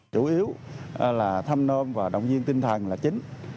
chủ yếu là thăm nôm và động viên tinh thần là chính